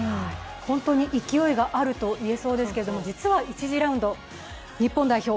本当に勢いがあると言えそうですけれども、実は１次ラウンド、日本代表